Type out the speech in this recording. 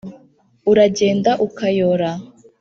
uragenda ukayora